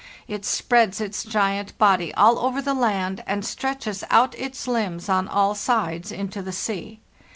It spreads its giant body all over the land, and stretches out its limbs on all sides into the sea.